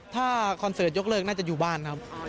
ถ้าคอนเสิร์ตยกเลิกน่าจะอยู่บ้านครับ